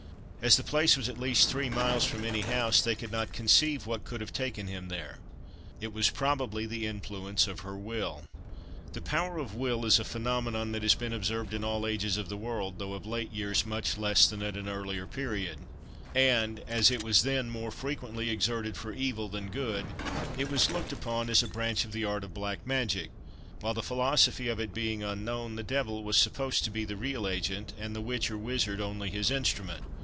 As the place was at least three miles from any house, they could not conceive what could have taken him there. It was, probably, the influence of her will. The power of will is a phenomenon that has been observed in all ages of the world, though of late years much less than at an earlier period; and, as it was then more frequently exerted for evil than good, it was looked upon as a branch of the art of black magic, while the philosophy of it being unknown, the devil was supposed to be the real agent, and the witch, or wizard, only his instrument.